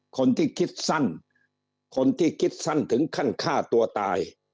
คนที่คิดสั้นคนที่คิดสั้นถึงขั้นฆ่าตัวตาย